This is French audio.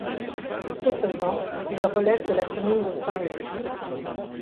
Ce faisant, il relève de la commune de Saint-Leu.